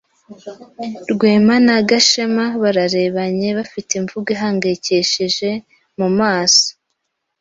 Rwema na Gashema bararebanye bafite imvugo ihangayikishije mu maso.